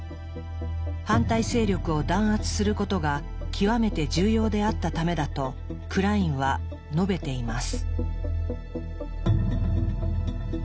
反対勢力を弾圧することが極めて重要であったためだとクラインは述べています。